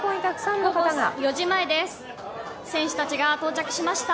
午後４時前です、選手たちが到着しました。